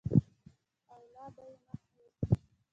او لا به یې مخکې یوسي.